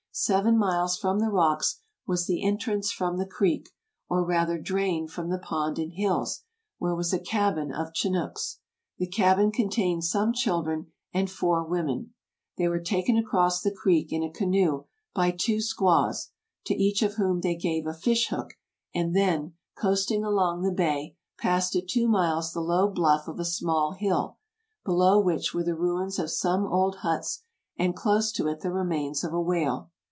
Seven miles from the rocks was the entrance from the creek, or rather drain from the pond and hills, where was a cabin of Chinnooks. The cabin contained some children and four women. They were taken across the creek in a canoe by two squaws, to each of whom they gave a fish hook, and then, coasting along the bay, passed at two miles the low bluff of a small hill, below which were the ruins of some old huts, and close to it the remains of a whale.